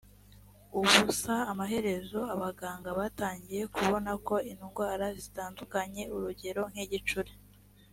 ubusa amaherezo abaganga batangiye kubona ko indwara zitandukanye urugero nk igicuri